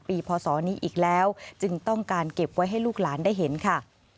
พศนี้อีกแล้วจึงต้องการเก็บไว้ให้ลูกหลานได้เห็นค่ะ